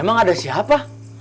emang ada siapa